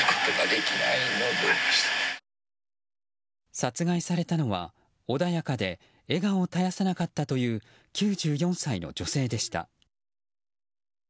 殺害されたのは穏やかで笑顔を絶やさなかったという９４歳の女性でした。